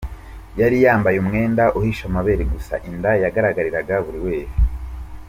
Yari yambaye umwenda uhisha amabere gusa, inda igaragarira bose.